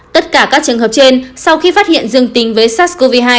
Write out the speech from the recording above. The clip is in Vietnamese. tất cả các trường hợp trên sau khi phát hiện dương tính với sars cov hai